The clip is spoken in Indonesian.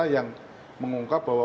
fakta yang mengungkap bahwa